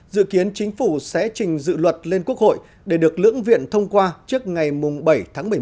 dự kiến chính phủ sẽ trình dự luật lên quốc hội để được lưỡng viện thông qua trước ngày bảy tháng một mươi một